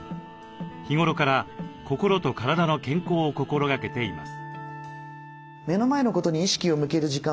日頃から心と体の健康を心がけています。